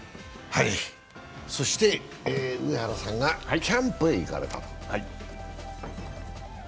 そして上原さんがキャンプへ行かれたと。